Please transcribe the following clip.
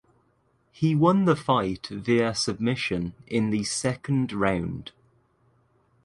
He won the fight via submission in the second round.